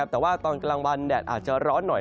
แต่ว่าตอนกลางวันแดดอาจจะร้อนหน่อย